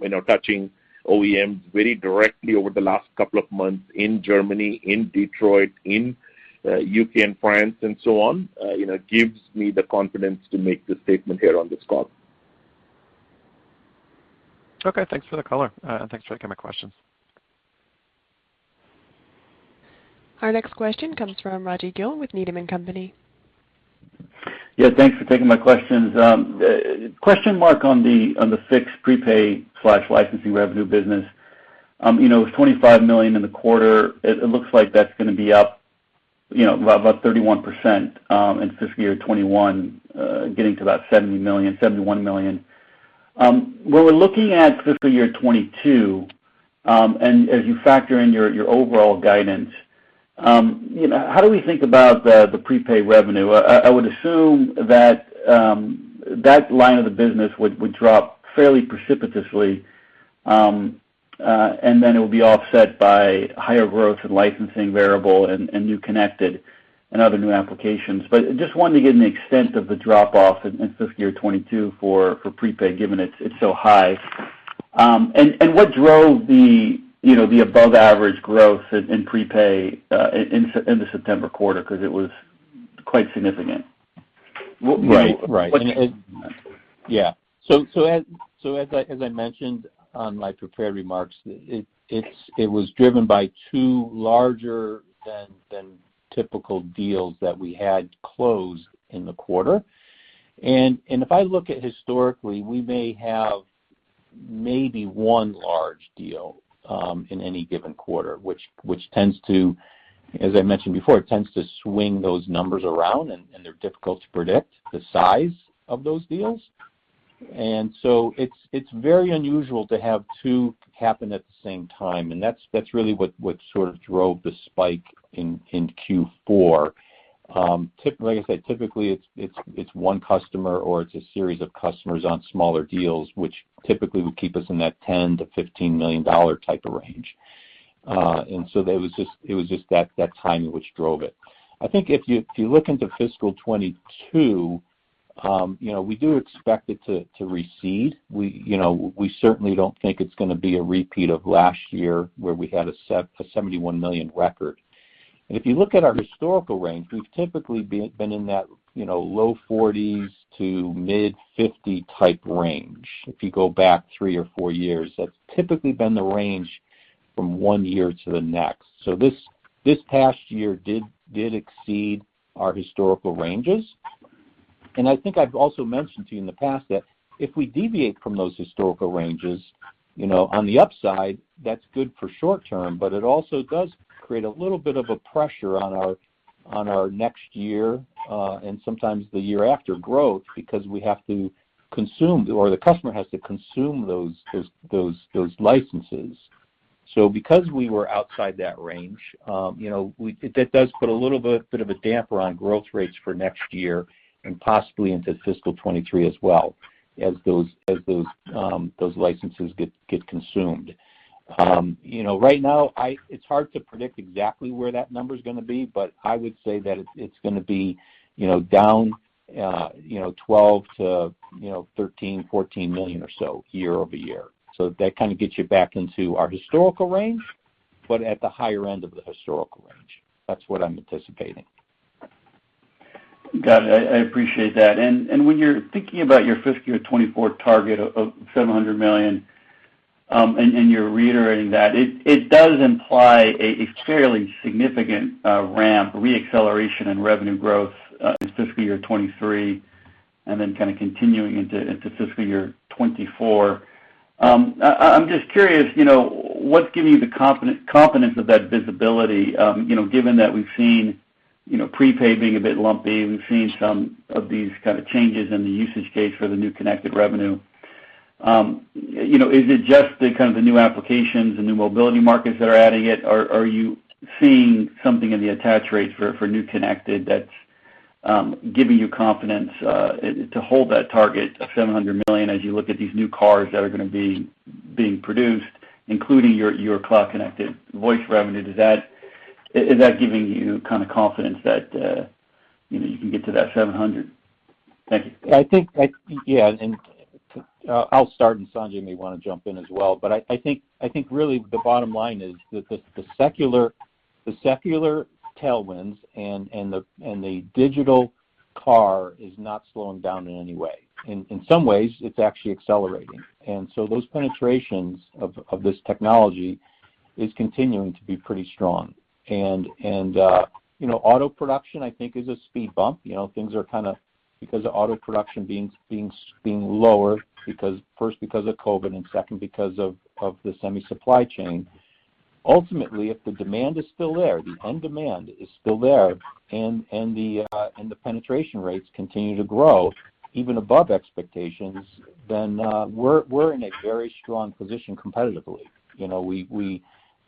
know, touching OEMs very directly over the last couple of months in Germany, in Detroit, in U.K. and France and so on, you know, gives me the confidence to make this statement here on this call. Okay. Thanks for the color, thanks for taking my questions. Our next question comes from Rajvindra Gill with Needham & Company. Yeah. Thanks for taking my questions. Question on the fixed prepaid/licensing revenue business. You know, it was $25 million in the quarter. It looks like that's gonna be up You know, about 31% in fiscal year 2021, getting to about $70 million, $71 million. When we're looking at fiscal year 2022 and as you factor in your overall guidance, you know, how do we think about the prepaid revenue? I would assume that that line of the business would drop fairly precipitously, and then it will be offset by higher growth in licensing variable and new connected and other new applications. But I just wanted to get an extent of the drop-off in fiscal year 2022 for prepaid, given it's so high. And what drove the above average growth in prepay in the September quarter? 'Cause it was quite significant. Right. Right. What- As I mentioned in my prepared remarks, it was driven by two larger than typical deals that we had closed in the quarter. If I look at it historically, we may have maybe one large deal in any given quarter, which tends to swing those numbers around, and they're difficult to predict the size of those deals. It's very unusual to have two happen at the same time, and that's really what sort of drove the spike in Q4. Like I said, typically, it's one customer or it's a series of customers on smaller deals, which typically would keep us in that $10 million-$15 million type of range. It was just that timing which drove it. I think if you look into fiscal 2022, you know, we do expect it to recede. We, you know, we certainly don't think it's gonna be a repeat of last year, where we had a $71 million record. If you look at our historical range, we've typically been in that, you know, low $40s to mid-$50 type range. If you go back three or four years, that's typically been the range from one year to the next. This past year did exceed our historical ranges. I think I've also mentioned to you in the past that if we deviate from those historical ranges, you know, on the upside, that's good for short term, but it also does create a little bit of a pressure on our next year, and sometimes the year after growth because we have to consume or the customer has to consume those licenses. Because we were outside that range, you know, it does put a little bit of a damper on growth rates for next year and possibly into fiscal 2023 as well as those licenses get consumed. You know, right now it's hard to predict exactly where that number's gonna be, but I would say that it's gonna be, you know, down 12-14 million or so year-over-year. That kinda gets you back into our historical range, but at the higher end of the historical range. That's what I'm anticipating. Got it. I appreciate that. When you're thinking about your FY 2024 target of $700 million, and you're reiterating that, it does imply a fairly significant ramp re-acceleration in revenue growth in FY 2023 and then kinda continuing into FY 2024. I'm just curious, you know, what's giving you the confidence of that visibility, you know, given that we've seen, you know, prepay being a bit lumpy, we've seen some of these kinda changes in the usage case for the new connected revenue. You know, is it just kind of the new applications, the new mobility markets that are adding it, or are you seeing something in the attach rates for new connected that's giving you confidence to hold that target of $700 million as you look at these new cars that are gonna be being produced, including your cloud-connected voice revenue? Is that giving you kind of confidence that you know you can get to that $700? Thank you. Yeah, and I'll start, and Sanjay may wanna jump in as well. I think really the bottom line is that the secular tailwinds and the digital car is not slowing down in any way. In some ways, it's actually accelerating. Those penetrations of this technology is continuing to be pretty strong. You know, auto production, I think, is a speed bump. You know, things are kinda because the auto production is being lower because, first, because of COVID, and second, because of the semi supply chain. Ultimately, if the demand is still there, the end demand is still there, and the penetration rates continue to grow even above expectations, then we're in a very strong position competitively. You know,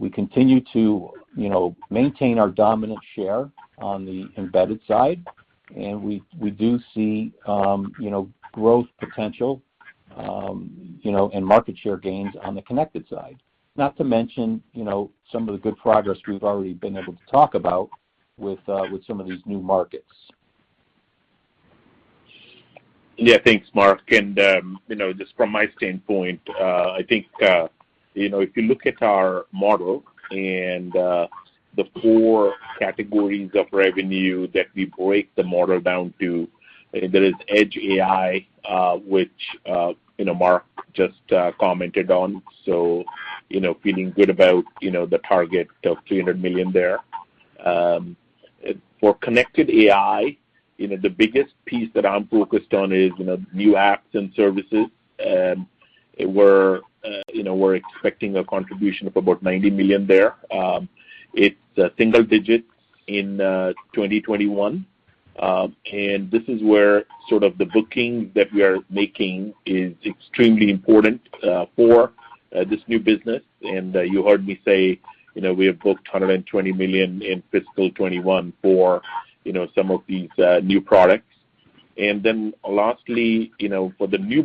we continue to, you know, maintain our dominant share on the embedded side, and we do see, you know, growth potential, you know, and market share gains on the connected side. Not to mention, you know, some of the good progress we've already been able to talk about with some of these new markets. Yeah. Thanks, Mark. From my standpoint, I think, you know, if you look at our model and the four categories of revenue that we break the model down to, there is Edge AI, which, you know, Mark just commented on, so, you know, feeling good about, you know, the target of $300 million there. For Connected AI, you know, the biggest piece that I'm focused on is, you know, new apps and services. We're, you know, we're expecting a contribution of about $90 million there. It's single digits in 2021. And this is where sort of the booking that we are making is extremely important for this new business. You heard me say, you know, we have booked $120 million in fiscal 2021 for, you know, some of these new products. Then lastly, you know, for the new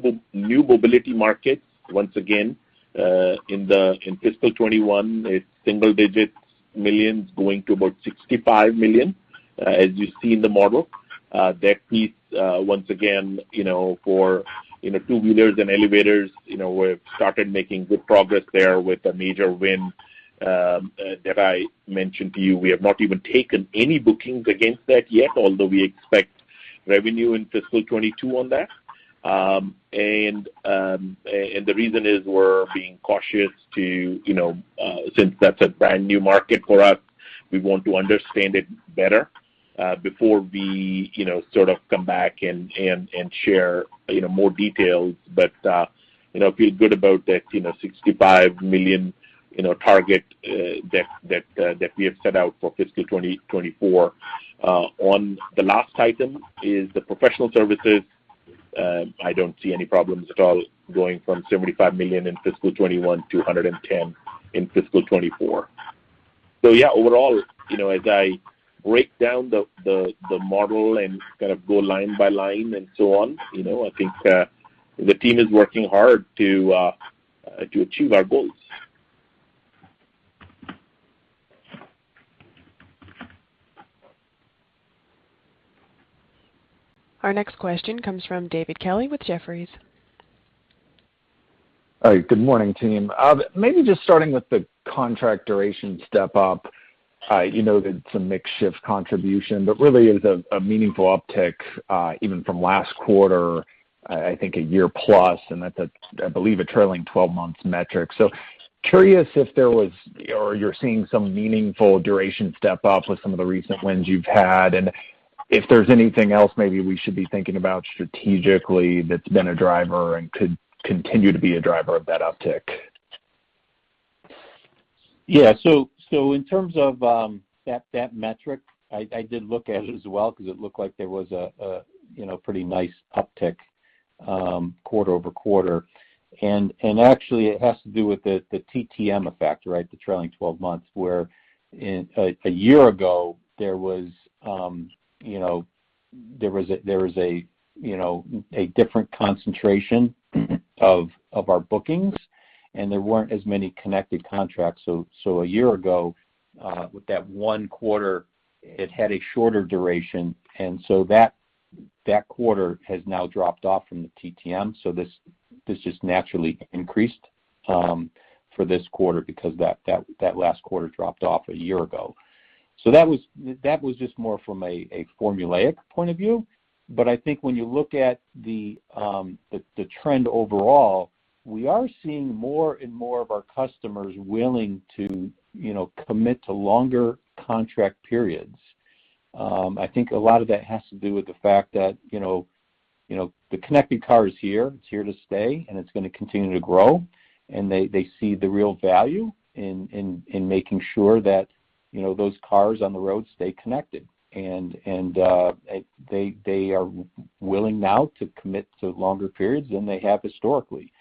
mobility market, once again, in fiscal 2021, it's single digits millions going to about $65 million, as you see in the model. That piece, once again, you know, for two-wheelers and elevators, you know, we've started making good progress there with a major win that I mentioned to you. We have not even taken any bookings against that yet, although we expect revenue in fiscal 2022 on that. The reason is we're being cautious, you know, since that's a brand-new market for us, we want to understand it better before we, you know, sort of come back and share, you know, more details. You know, feel good about that $65 million target that we have set out for fiscal 2024. On the last item is the professional services. I don't see any problems at all going from $75 million in fiscal 2021 to $110 million in fiscal 2024. Yeah, overall, you know, as I break down the model and kind of go line by line and so on, you know, I think the team is working hard to achieve our goals. Our next question comes from David Kelley with Jefferies. All right, good morning, team. Maybe just starting with the contract duration step-up, you noted some mix shift contribution, but really is a meaningful uptick, even from last quarter, I think a year plus, and that's, I believe, a trailing 12-month metric. Curious if there was or you're seeing some meaningful duration step-up with some of the recent wins you've had, and if there's anything else maybe we should be thinking about strategically that's been a driver and could continue to be a driver of that uptick. Yeah. In terms of that metric, I did look at it as well because it looked like there was a you know pretty nice uptick quarter-over-quarter. Actually, it has to do with the TTM effect, right? The trailing twelve months, where a year ago there was you know a different concentration of our bookings, and there weren't as many connected contracts. A year ago with that one quarter, it had a shorter duration, and that quarter has now dropped off from the TTM. This just naturally increased for this quarter because that last quarter dropped off a year ago. That was just more from a formulaic point of view. I think when you look at the trend overall, we are seeing more and more of our customers willing to, you know, commit to longer contract periods. I think a lot of that has to do with the fact that, you know, the connected car is here, it's here to stay, and it's gonna continue to grow, and they see the real value in making sure that, you know, those cars on the road stay connected. They are willing now to commit to longer periods than they have historically.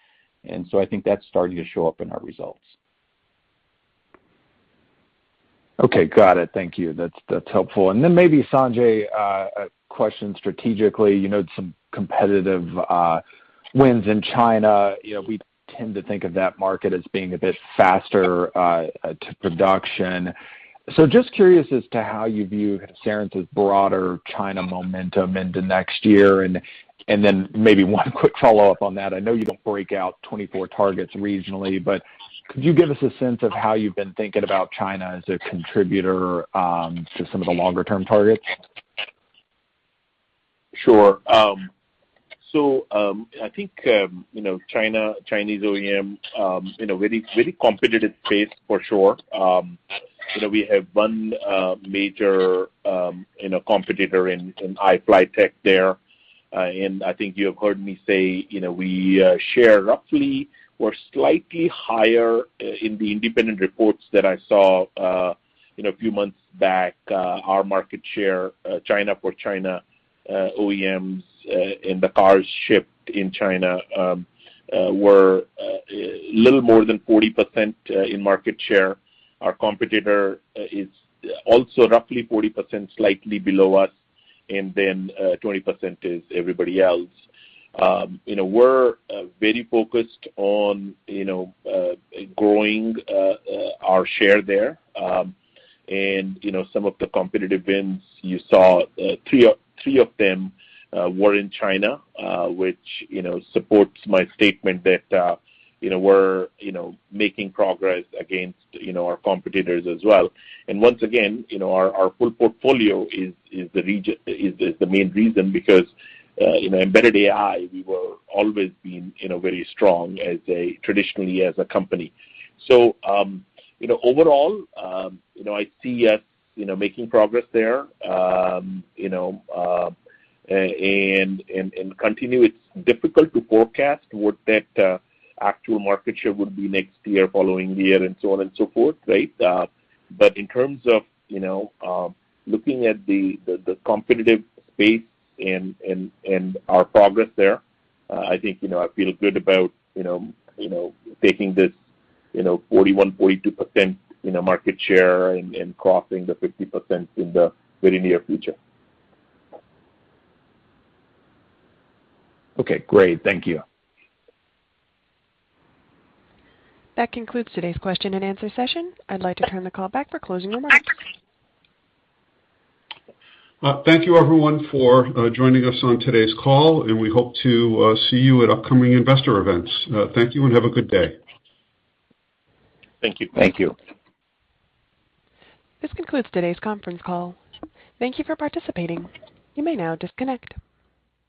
I think that's starting to show up in our results. Okay. Got it. Thank you. That's helpful. Then maybe, Sanjay, a question strategically. You noted some competitive wins in China. You know, we tend to think of that market as being a bit faster to production. Just curious as to how you view Cerence's broader China momentum into next year. Then maybe one quick follow-up on that. I know you don't break out 24 targets regionally, but could you give us a sense of how you've been thinking about China as a contributor to some of the longer-term targets? Sure. So, I think, you know, China, Chinese OEM in a very, very competitive space for sure. You know, we have one major, you know, competitor in iFLYTEK there. I think you have heard me say, you know, we share roughly or slightly higher in the independent reports that I saw, you know, a few months back, our market share China—for China OEMs and the cars shipped in China were little more than 40% in market share. Our competitor is also roughly 40%, slightly below us, and then 20% is everybody else. You know, we're very focused on, you know, growing our share there. You know, some of the competitive wins you saw, 3 of them were in China, which, you know, supports my statement that, you know, we're, you know, making progress against, you know, our competitors as well. Once again, you know, our full portfolio is the main reason because, you know, embedded AI, we were always been, you know, very strong traditionally as a company. You know, overall, you know, I see us, you know, making progress there, you know, and continue. It's difficult to forecast what that actual market share would be next year, following year, and so on and so forth, right? In terms of, you know, looking at the competitive space and our progress there, I think, you know, I feel good about, you know, taking this 41-42% market share and crossing the 50% in the very near future. Okay, great. Thank you. That concludes today's question-and-answer session. I'd like to turn the call back for closing remarks. Thank you everyone for joining us on today's call, and we hope to see you at upcoming investor events. Thank you and have a good day. Thank you. Thank you. This concludes today's conference call. Thank you for participating. You may now disconnect.